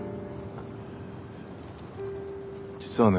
実はね